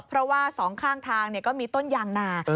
เพราะว่าสองข้างทางก็มีต้นยางนา